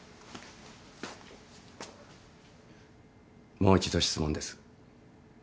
もう一度質問です。